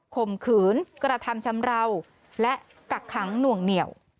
ข่มขืนกระทำชำราวและกักขังหน่วงเหนียว